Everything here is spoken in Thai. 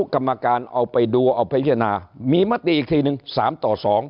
กรรมการเอาไปดูเอาพิจารณามีมติอีกทีหนึ่ง๓ต่อ๒